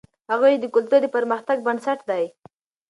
هغه وویل چې کلتور د پرمختګ بنسټ دی.